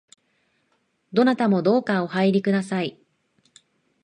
どなたもどうかお入りください